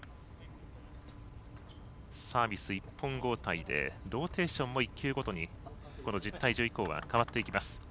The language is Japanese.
サービス１本交代でローテーションも１球ごとにこの１０対１０以降は変わっていきます。